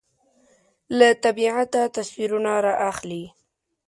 له طبیعته تصویرونه رااخلي